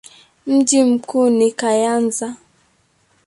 Mji mkuu ni Kayanza.